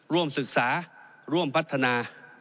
ร่วมศึกษาร่วมพัฒนา